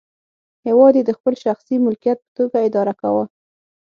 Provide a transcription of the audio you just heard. هېواد یې د خپل شخصي ملکیت په توګه اداره کاوه.